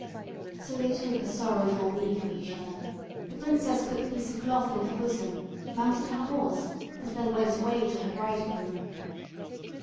So they took a sorrowful leave of each other: the princess put the piece of cloth in her bosom, mounted her horse, and then went away to her bridegroom.